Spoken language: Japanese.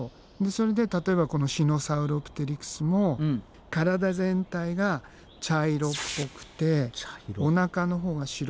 それで例えばこのシノサウロプテリクスも体全体が茶色っぽくておなかのほうが白っぽくて。